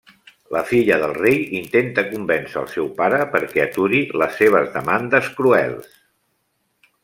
La filla del rei intenta convèncer el seu pare perquè aturi les seves demandes cruels.